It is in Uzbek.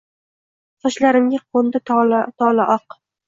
Sochlarimga qo’ndi tola-tola oq.